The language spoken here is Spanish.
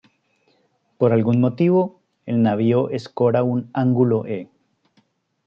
Por algún motivo el navío escora un ángulo e.